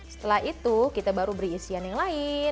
setelah itu kita baru beri isian yang lain